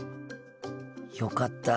よかった。